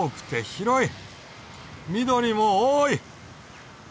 緑も多い。